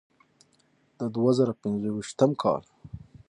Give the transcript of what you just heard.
د دوه زره پنځويشتم کال